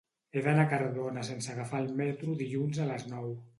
He d'anar a Cardona sense agafar el metro dilluns a les nou.